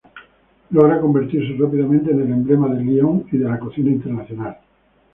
Logra convertirse rápidamente en el emblema de Lyon y de la cocina internacional.